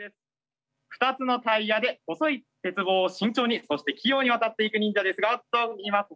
２つのタイヤで細い鉄棒を慎重にそして器用に渡っていく忍者ですがあっと